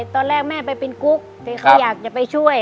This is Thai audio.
ตอนแรกแม่ไปเป็นกุ๊กแต่เขาอยากจะไปช่วย